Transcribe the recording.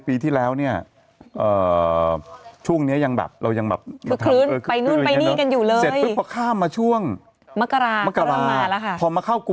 ปีนี้ผ่านไปเร็วมากจริงน่ะปีนึงโอ้โฮยกมันเร็วมากมันเร็วมาก